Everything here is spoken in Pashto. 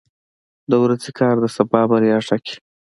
• د ورځې کار د سبا بریا ټاکي.